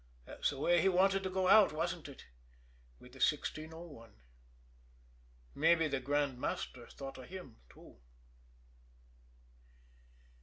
That's the way he wanted to go out, wasn't it? with the 1601. Mabbe the Grand Master thought of him, too."